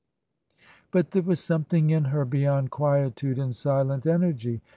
But there was something in her beyond quietude and silent energy.